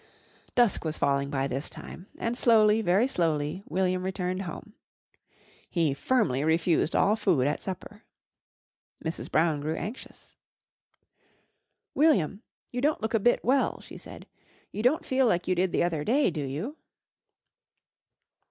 Dusk was falling by this time and slowly, very slowly, William returned home. He firmly refused all food at supper. Mrs. Brown grew anxious. "William, you don't look a bit well," she said. "You don't feel like you did the other day, do you?"